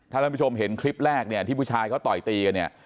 ถ้าท่านผู้ชมเห็นคลิปแรกเนี่ยที่ผู้ชายเขาต่อยตีกันเนี่ย